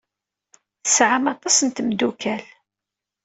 Tesɛam aṭas n tmeddukal.